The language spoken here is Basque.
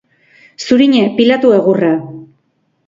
Zuriñe, pilatu egurra.